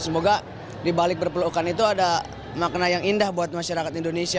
semoga dibalik berpelukan itu ada makna yang indah buat masyarakat indonesia